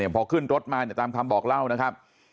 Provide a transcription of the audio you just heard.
พอขึ้นรถมาตามคำบอกเล่านะครับ